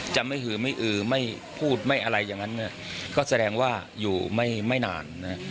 จะไม่หือไม่อือไม่พูดไม่อะไรอย่างนั้นก็แสดงว่าอยู่ไม่นาน